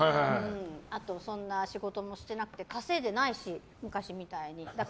あと、そんな仕事もしてなくて稼いでないし昔みたいに。